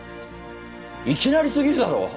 いきなりすぎるだろ！